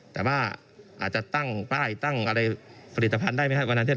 แต่ว่าอาจจะตั้งป้ายตั้งอะไรผลิตภัณฑ์ได้ไหมครับวันนั้น